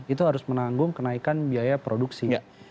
itu harus menanggung kenaikan biaya produksi